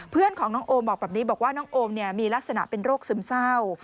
เพื่อนของน้องโอมบอกแบบนี้บอกว่าน้องโอมมีลักษณะเป็นโรคซึมเศร้า